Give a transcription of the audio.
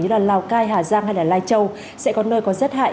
như là lào cai hà giang hay là lai châu sẽ có nơi có rất hại